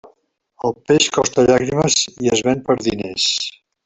El peix costa llàgrimes i es ven per diners.